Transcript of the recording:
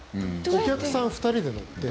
お客さん２人で乗って。